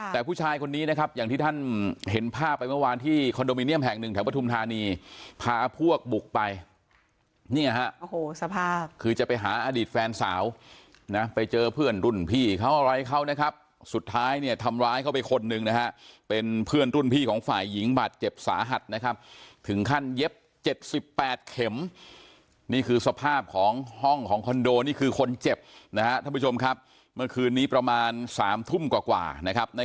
แต่ผู้ชายคนนี้นะครับอย่างที่ท่านเห็นภาพไปเมื่อวานที่คอนโดมิเนียมแห่งหนึ่งแถวประธุมธานีพาพวกบุกไปเนี่ยฮะโอ้โหสภาพคือจะไปหาอดีตแฟนสาวนะไปเจอเพื่อนรุ่นพี่เขาอะไรเขานะครับสุดท้ายเนี่ยทำร้ายเข้าไปคนหนึ่งนะฮะเป็นเพื่อนรุ่นพี่ของฝ่ายหญิงบัตรเจ็บสาหัสนะครับถึงขั้นเย็บเจ็บสิบแป